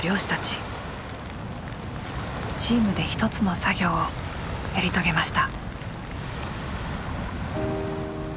チームで一つの作業をやり遂げました。